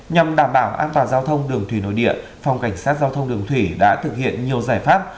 nhằm đảm bảo an toàn giao thông đường thủy nội địa phòng cảnh sát giao thông đường thủy đã thực hiện nhiều giải pháp